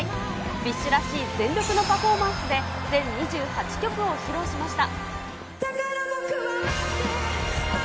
ＢｉＳＨらしい全力のパフォーマンスで、全２８曲を披露しました。